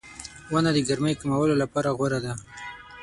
• ونه د ګرمۍ کمولو لپاره غوره ده.